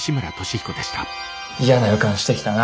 嫌な予感してきたな。